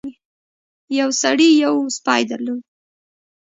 یو سړي یو سپی درلود.